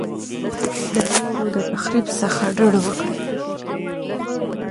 د نورو د تخریب څخه ډډه وکړئ.